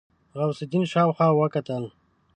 غوث الدين شاوخوا وکتل.